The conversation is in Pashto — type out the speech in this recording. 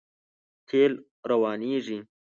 تېل روانېږي.